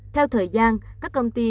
theo thời gian các công ty